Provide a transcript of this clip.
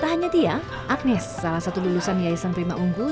tak hanya tia agnes salah satu lulusan yayasan prima unggul